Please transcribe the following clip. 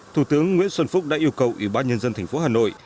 thủ tướng nguyễn xuân phúc đã yêu cầu ủy ban nhân dân thành phố hà nội